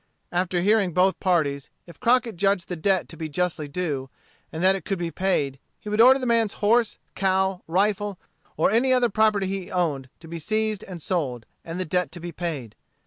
After hearing both parties, if Crockett judged the debt to be justly due, and that it could be paid, he would order the man's horse, cow, rifle, or any other property he owned, to be seized and sold, and the debt to be paid.